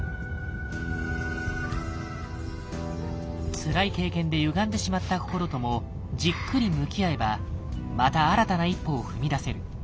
つらい経験でゆがんでしまった心ともじっくり向き合えばまた新たな一歩を踏み出せる。